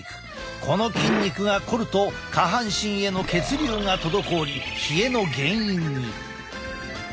この筋肉が凝ると下半身への血流が滞り冷えの原因に。